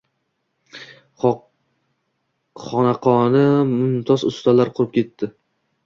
Xonaqoni mumtoz ustalar qurib edi.